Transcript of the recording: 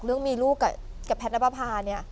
เรื่องมีลูกกับแพทย์น้ำป้าพานี่